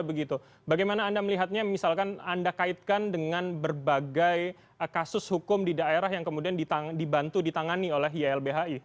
bagaimana anda melihatnya misalkan anda kaitkan dengan berbagai kasus hukum di daerah yang kemudian dibantu ditangani oleh ylbhi